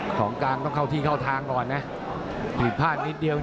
ก็ดูจากวนแรกแล้ว